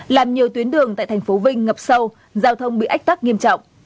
làm nhiều tuyến đường tại thành phố vinh ngập sâu giao thông bị ách tắc nghiêm trọng